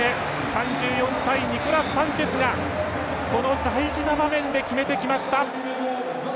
３４歳、ニコラス・サンチェスがこの大事な場面で決めてきました。